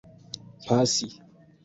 pasi